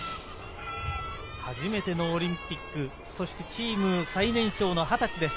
初めてのオリンピック、そしてチーム最年少の２０歳です。